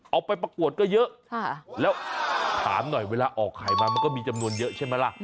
ไปประกวดก็เยอะแล้วถามหน่อยเวลาออกไข่มามันก็มีจำนวนเยอะใช่ไหมล่ะ